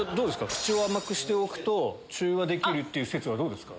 口を甘くしておくと中和できるっていう説はどうですか？